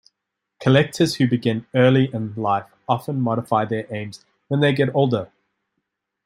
Collectors who begin early in life often modify their aims when they get older.